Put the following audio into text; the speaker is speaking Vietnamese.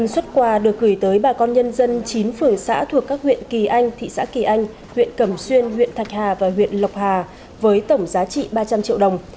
một mươi xuất quà được gửi tới bà con nhân dân chín phường xã thuộc các huyện kỳ anh thị xã kỳ anh huyện cẩm xuyên huyện thạch hà và huyện lộc hà với tổng giá trị ba trăm linh triệu đồng